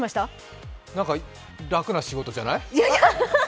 何か楽な仕事じゃない？